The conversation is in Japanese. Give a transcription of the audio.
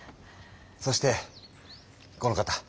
そしてこの方。